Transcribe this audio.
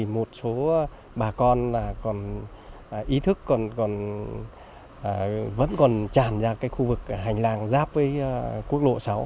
một số bà con ý thức vẫn còn tràn ra khu vực hành lang giáp với quốc lộ sáu